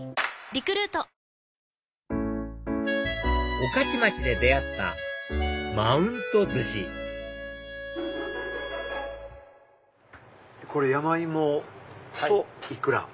御徒町で出会ったマウント寿司これ山芋とイクラ？